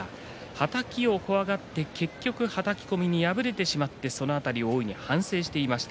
はたきを怖がって結局はたき込みに敗れてしまったと大いに反省をしていました。